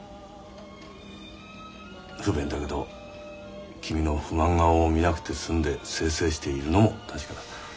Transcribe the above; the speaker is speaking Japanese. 不便だけど君の不満顔を見なくて済んで清々しているのも確かだ。